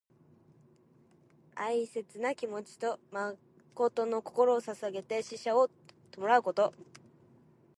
哀切な気持ちと誠の心をささげて死者を弔うこと。「銜」は心に抱く意で、「銜哀」は哀しみを抱くこと、「致誠」は真心をささげる意。人の死を悼む時に用いる語。「哀を銜み誠を致す」とも読む。